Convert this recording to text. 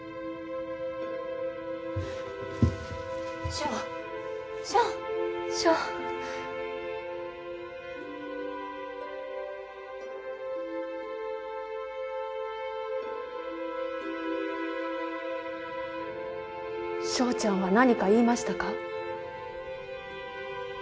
翔、翔、翔翔ちゃんは何か言いましたか？